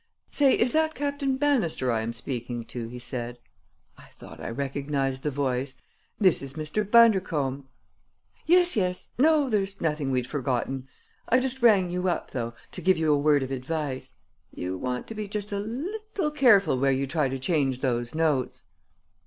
"Say, is that Captain Bannister I am speaking to?" he said. "I thought I recognized the voice. This is Mr. Bundercombe. Yes, yes! No, there's nothing we'd forgotten. I just rang you up, though, to give you a word of advice. You want to be just a leetle careful where you try to change those notes!"